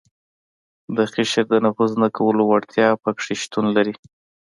د قشر د نفوذ نه کولو وړتیا په کې شتون لري.